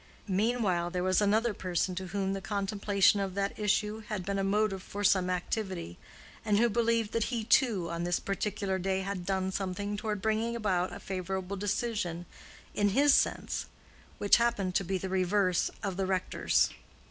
Meanwhile there was another person to whom the contemplation of that issue had been a motive for some activity, and who believed that he, too, on this particular day had done something toward bringing about a favorable decision in his sense—which happened to be the reverse of the rector's.